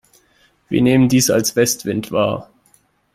Wir nehmen dies als Westwind wahr.